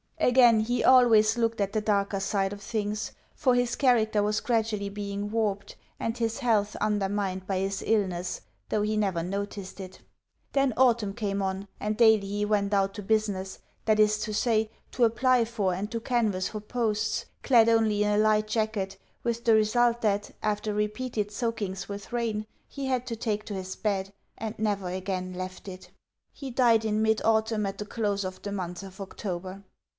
Again, he always looked at the darker side of things, for his character was gradually being warped, and his health undermined by his illness, though he never noticed it. Then autumn came on, and daily he went out to business that is to say, to apply for and to canvass for posts clad only in a light jacket; with the result that, after repeated soakings with rain, he had to take to his bed, and never again left it. He died in mid autumn at the close of the month of October.